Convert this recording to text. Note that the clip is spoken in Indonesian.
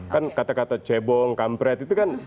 kan kata kata cebong kampret itu kan